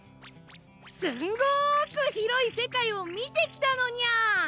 すんごくひろいせかいをみてきたのニャ！